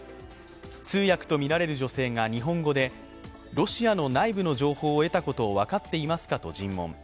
通訳とみられる女性が日本語でロシアの内部の情報を得たことを分かっていますかと尋問。